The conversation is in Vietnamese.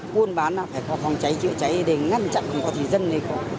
buôn bán là phải có phòng cháy chữa cháy để ngăn chặn không có gì dân này khổ